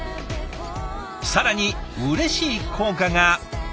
更にうれしい効果が。